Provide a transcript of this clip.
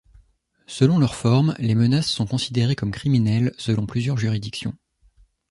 Selon leurs formes, les menaces sont considérées comme criminelles selon plusieurs juridictions.